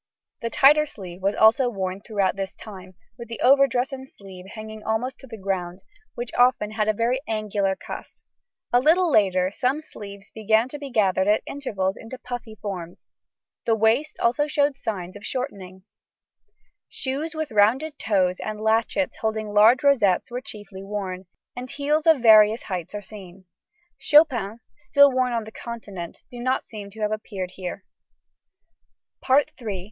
The tighter sleeve was also worn throughout this time, with the overdress and sleeve hanging almost to the ground, which often had a very angular cuff. A little later some sleeves began to be gathered at intervals into puffy forms. The waist also showed signs of shortening. [Illustration: FIG. 58.] [Illustration: FIG. 59. Costumes. Period, James I.] Shoes with rounded toes and latchets holding large rosettes were chiefly worn, and heels of various heights are seen. Chopins, still worn on the Continent, do not seem to have appeared here.